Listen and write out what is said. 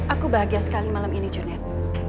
aku bahagia sekali malam ini jurnat